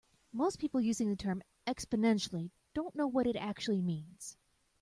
Most people using the term "exponentially" don't know what it actually means.